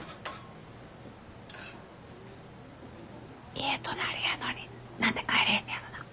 家隣やのに何で帰れへんねやろな。